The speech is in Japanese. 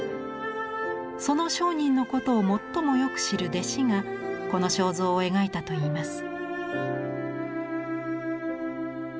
その上人のことを最もよく知る弟子がこの肖像を描いたといいます。